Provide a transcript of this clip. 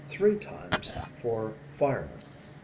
three times " fireman.